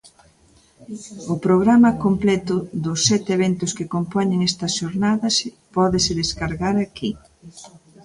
O programa completo dos sete eventos que compoñen estas xornadas pódese descargar aquí.